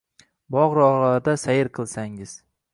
bog‘-rog‘larda sayr qilsangiz